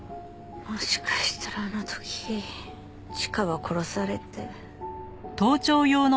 もしかしたらあの時チカは殺されて。